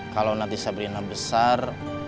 kalau nanti sabrina besar